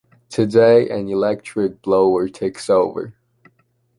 Today, an electric blower takes over.